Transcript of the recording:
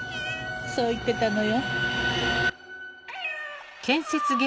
そう言ってたのよ。